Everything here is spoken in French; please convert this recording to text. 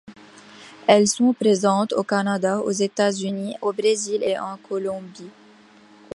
Elles sont présentes au Canada, aux États-Unis, au Brésil et en Colombie.